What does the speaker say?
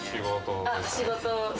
仕事。